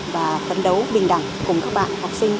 và phấn đấu bình đẳng cùng các bạn học sinh